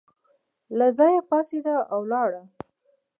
له ځایه پاڅېده او ولاړه.